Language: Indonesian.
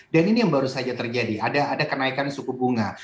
dan ini yang baru saja terjadi ada kenaikan suku bunga